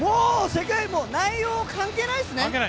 もう内容は関係ないですね。